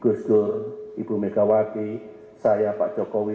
gus dur ibu megawati saya pak jokowi